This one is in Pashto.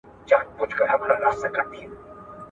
هغه څوک چې مسموم شوی وي، باید یوازې پاکې اوبه وڅښي.